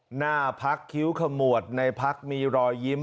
หน้าพักคิ้วขมวดในพักมีรอยยิ้ม